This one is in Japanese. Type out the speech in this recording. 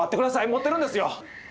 持ってるんですよ！